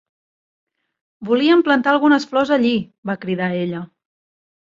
"Volíem plantar algunes flors allí", va cridar ella.